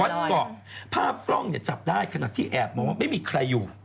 วันก่อภาพกล้องจับได้ขนาดที่แอบมองไม่มีใครอยู่